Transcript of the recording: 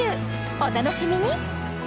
お楽しみに！